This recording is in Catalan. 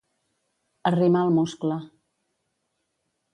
Arrimar el muscle.